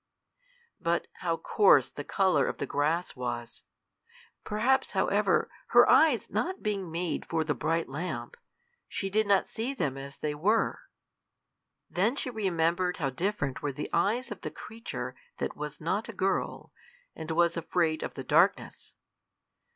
But how coarse the color of the grass was! Perhaps, however, her eyes not being made for the bright lamp, she did not see them as they were! Then she remembered how different were the eyes of the creature that was not a girl, and was afraid of the darkness!